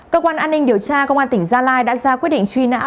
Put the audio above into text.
cơ quan an ninh điều tra công an tỉnh gia lai đã ra quyết định truy nã